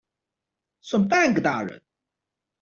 算半個大人